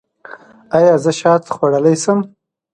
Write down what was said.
ایا زه شات خوړلی شم؟